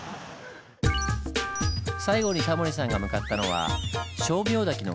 最後にタモリさんが向かったのは称名滝の下流。